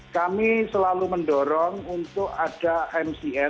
kami selalu mendorong untuk ada mcm